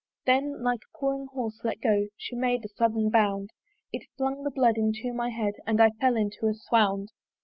Then, like a pawing horse let go, She made a sudden bound: It flung the blood into my head, And I fell into a swound.